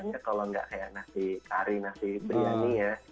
itu kalau tidak resmi nasi kari nasi biryani ya